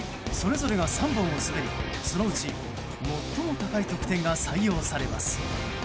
それぞれが３本を滑りそのうち最も高い得点が採用されます。